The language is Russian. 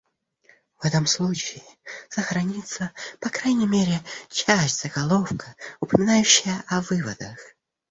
В этом случае сохранится, по крайней мере, часть заголовка, упоминающая о выводах.